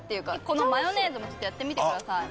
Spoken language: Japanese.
このマヨネーズもちょっとやってみてください。